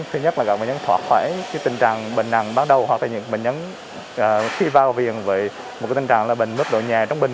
hoặc là những bệnh nhân khi vào viện với một tình trạng là bệnh mức độ nhẹ trống bình